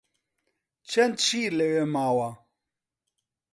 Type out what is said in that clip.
چەند شیر لەوێ ماوە؟